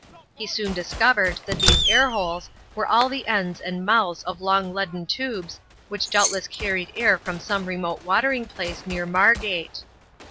He soon discovered that these air holes were all the ends and mouths of long leaden tubes which doubtless carried air from some remote watering place near Margate.